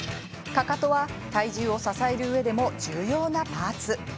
かかとは、体重を支えるうえでも重要なパーツ。